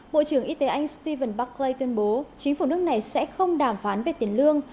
bộ trưởng y tế anh stephen buckley tuyên bố chính phủ nước này sẽ không đàm phán về tiền lương